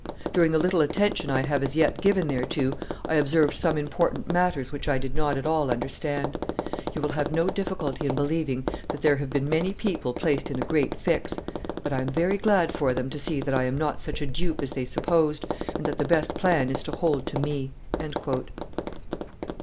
During the little attention I have as yet given thereto, I observed some important matters which I did not at all understand. You will have no difficulty in believing that there have been many people placed in a great fix; but I am very glad for them to see that I am not such a dupe as they supposed, and that the best plan is to hold to me."